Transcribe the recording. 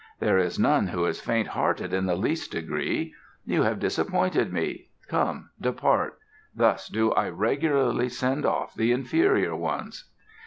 There is none who is faint hearted in the least degree. You have disappointed me. Come, depart. Thus do I regularly send off the inferior ones."